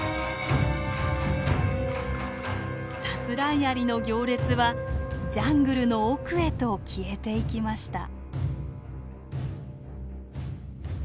サスライアリの行列はジャングルの奥へと消えていきました。